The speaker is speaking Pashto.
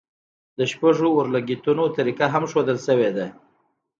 د شپږو اورلګیتونو طریقه هم ښودل شوې ده.